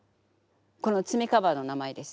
この爪カバーの名前です。